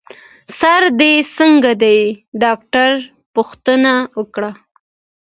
سر دي څنګه دی؟ ډاکټر پوښتنه وکړه.